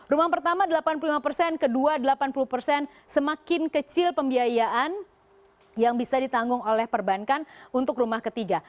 rumah pertama delapan puluh lima persen kedua delapan puluh persen semakin kecil pembiayaan yang bisa ditanggung oleh perbankan untuk rumah ketiga